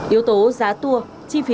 yếu tố giá tour